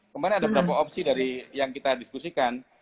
kemarin ada beberapa opsi dari yang kita diskusikan